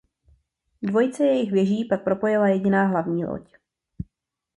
Dvojice jejich věží pak propojila jediná hlavní loď.